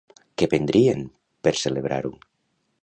Què prendrien, per celebrar-ho?